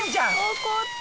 怒った！